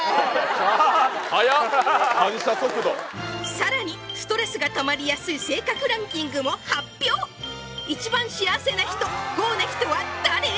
さらにストレスがたまりやすい性格ランキングも発表一番幸せな人不幸な人は誰？